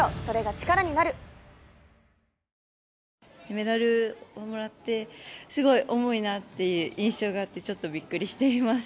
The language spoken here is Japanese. メダルをもらってすごい重いなっていう印象があってちょっとびっくりしています。